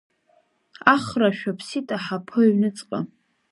Ахрашәа ԥсит аҳаԥы аҩныҵҟа…